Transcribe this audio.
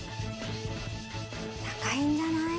高いんじゃない？